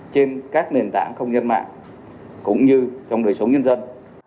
trên các nền tảng không gian mạng cũng như trong đời sống nhân dân